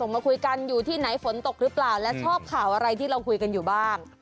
หรือเปล่าและชอบข่าวอะไรที่เราคุยกันอยู่บ้าง